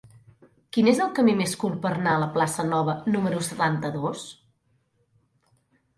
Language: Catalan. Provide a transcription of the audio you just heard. Quin és el camí més curt per anar a la plaça Nova número setanta-dos?